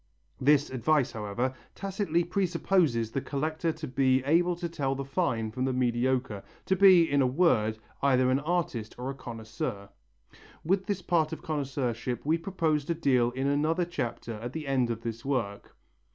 This advice, however, tacitly presupposes the collector to be able to tell the fine from the mediocre, to be, in a word, either an artist or a connoisseur. With this part of connoisseurship we propose to deal in another chapter at the end of this work.